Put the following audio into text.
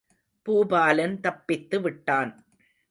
பூபாலன் தப்பித்து விட்டான்.